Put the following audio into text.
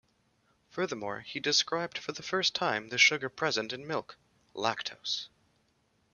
Furthermore, he described for the first time the sugar present in milk, lactose.